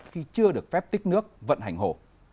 khi chưa được phép tích nước vận hành hồ